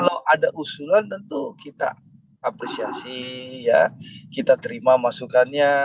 kalau ada usulan tentu kita apresiasi ya kita terima masukannya